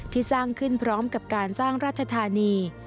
สร้างขึ้นพร้อมกับการสร้างราชธานี